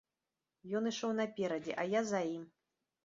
Ён ішоў наперадзе, а я за ім.